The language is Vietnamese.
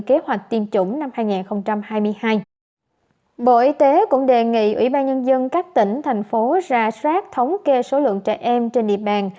bộ y tế đã có văn bản đề nghị ủy ban nhân dân các tỉnh thành phố ra soát thống kê số lượng trẻ em trên địa bàn